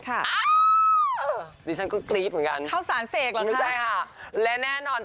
ค่ะที่ฉันก็ก็กรี๊ดเหมือนกันเข้าสารเฟสละครับไม่ใช่ค่ะและแน่นอน